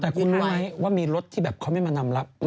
แต่คุณรู้ไหมว่ามีรถที่แบบเขาไม่มานำรับ